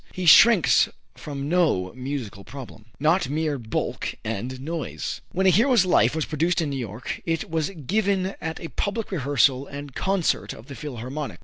He shrinks from no musical problem. Not Mere Bulk and Noise. When "A Hero's Life" was produced in New York it was given at a public rehearsal and concert of the Philharmonic.